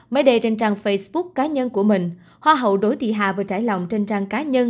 mới đây trên trang facebook cá nhân của mình hoa hậu đối thị hà vừa trải lòng trên trang cá nhân